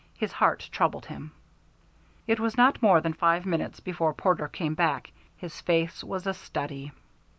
His heart troubled him. It was not more than five minutes before Porter came back. His face was a study.